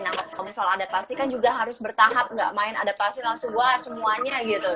nangis kalau ada pasti kan juga harus bertahap enggak main adaptasi langsung wah semuanya gitu